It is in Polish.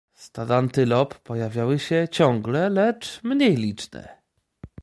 Stada antylop pojawiały się ciągle, lecz mniej liczne.